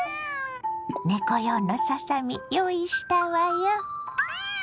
猫用のささみ用意したわよ。